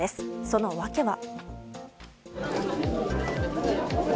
その訳は。